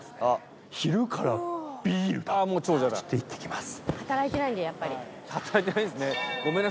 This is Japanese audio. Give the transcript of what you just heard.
ちょっと行ってきます。